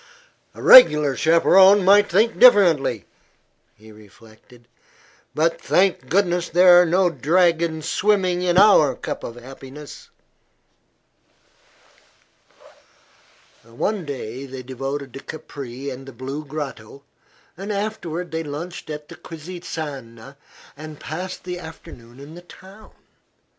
"A reg'lar chaperone might think differently," he reflected; "but thank goodness there are no dragons swimming in our cup of happiness." One day they devoted to Capri and the Blue Grotto, and afterward they lunched at the Quisisana and passed the afternoon in the town.